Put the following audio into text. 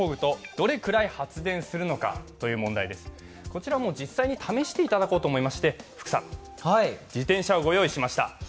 こちら実際に試していただこうと思いまして福さん、自転車をご用意しました。